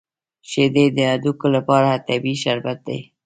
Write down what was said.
شیدې د هډوکو لپاره طبیعي شربت دی